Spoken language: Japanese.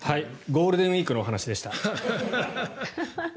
ゴールデンウィークのお話でした。